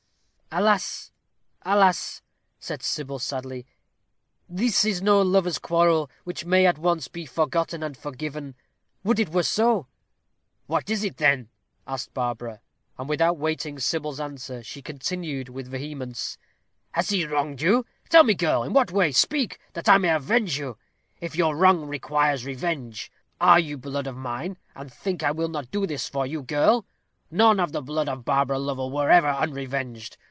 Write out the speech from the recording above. "Alas! alas!" said Sybil, sadly, "this is no lover's quarrel, which may, at once, be forgotten and forgiven would it were so!" "What is it, then?" asked Barbara; and without waiting Sybil's answer, she continued, with vehemence, "has he wronged you? Tell me, girl, in what way? Speak, that I may avenge you, if your wrong requires revenge. Are you blood of mine, and think I will not do this for you, girl? None of the blood of Barbara Lovel were ever unrevenged.